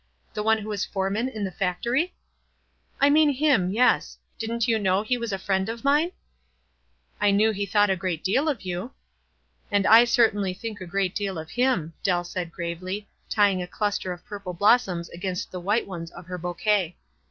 " The one who is .Ore man in the factory ?"" I mean him — yes. Didn't you know Le was a friend of mine ?" "I knew he thought a great deal of yv.i." ^ And I certainly think a great deal o=^ him," Dtll said gravely, tying a cluster of purple blos soms against the white ones of her bouquet.